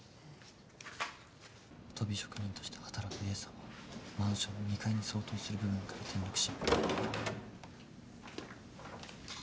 とび職人として働くＡさんはマンションの２階に相当する部分から転落し。